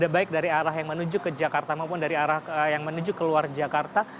baik dari arah yang menuju ke jakarta maupun dari arah yang menuju ke luar jakarta